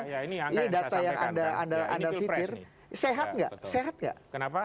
iya ini angka yang saya sampaikan ini data yang anda sitir sehat nggak sehat nggak kenapa